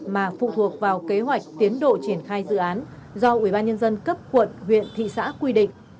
mà phụ thuộc vào kế hoạch tiến độ triển khai dự án do ubnd cấp quận huyện thị xã quy định